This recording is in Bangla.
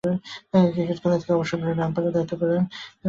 ক্রিকেট খেলা থেকে অবসর গ্রহণের পর আম্পায়ারের দায়িত্ব পালনে অগ্রসর হন।